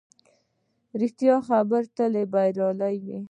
ریښتیا خبرې تل بریالۍ وي